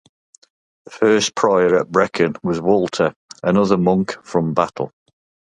The first prior at Brecon was Walter, another monk from Battle.